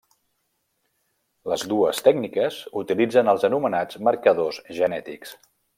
Les dues tècniques utilitzen els anomenats marcadors genètics.